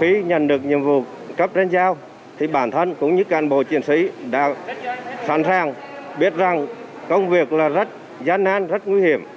khi nhận được nhiệm vụ cấp trên giao thì bản thân cũng như cán bộ chiến sĩ đã sẵn sàng biết rằng công việc là rất gian nan rất nguy hiểm